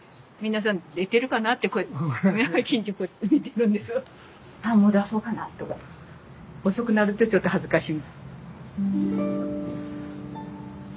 皆さん出てるかなってこうやって近所こうやって見てるんですがああもう出そうかなっとか。遅くなるとちょっと恥ずかしい。